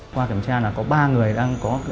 qua kiểm tra là có ba người đang có